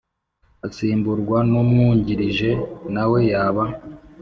Asimburwa n umwungirije nawe yaba